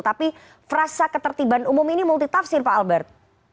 tapi frasa ketertiban umum ini multitafsir pak albert